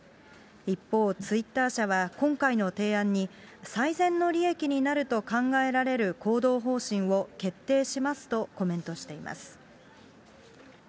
一方、ツイッター社は今回の提案に、最善の利益になると考えられる行動方針を決定しますとコメントしています。